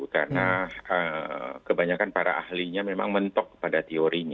karena kebanyakan para ahlinya memang mentok pada teorinya